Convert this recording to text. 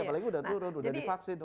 apalagi sudah turun sudah divaksin